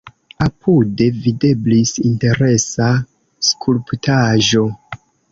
Apude videblis interesa skulptaĵo.